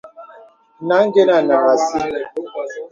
Nā āngənə́ naŋhàŋ así.